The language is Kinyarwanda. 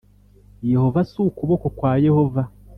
Yehova s ukuboko kwa Yehova